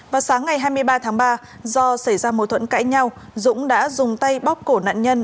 vào sáng ngày hai mươi ba tháng ba do xảy ra mối thuẫn cãi nhau dũng đã dùng tay bóc cổ nạn nhân